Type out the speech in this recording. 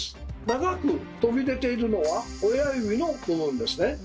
長く飛び出ているのは親指の部分ですね。